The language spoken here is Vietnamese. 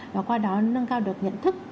và qua đó nâng cao được nhận thức